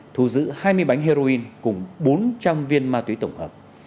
thu giữ hai mươi bánh heroin cùng bốn trăm linh viên ma túy tổng hợp